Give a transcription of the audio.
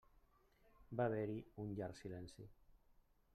Va haver-hi un llarg silenci.